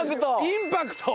インパクト！